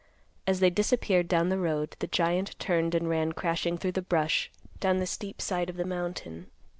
As they disappeared down the road, the giant turned and ran crashing through the brush down the steep side of the mountain.